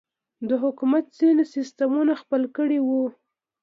د حکومت ځينې سسټمونه خپل کړي وو.